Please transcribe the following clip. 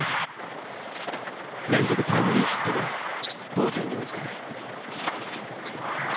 連続タイムリーヒットで同点に追いつかれ。